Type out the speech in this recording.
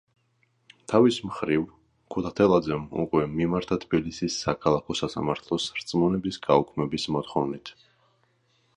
თავის მხრივ, ქუთათელაძემ უკვე მიმართა თბილისის საქალაქო სასამართლოს რწმუნების გაუქმების მოთხოვნით.